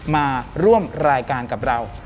มาร่วมรายการกับเรา